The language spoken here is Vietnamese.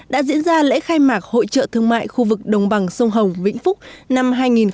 đã diễn ra lễ khai mạc hội trợ thương mại khu vực đồng bằng sông hồng vĩnh phúc năm hai nghìn hai mươi